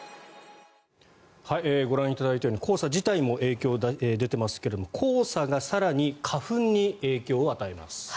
ご覧いただいたように黄砂自体も影響が出ていますが黄砂が更に、花粉に影響を与えます。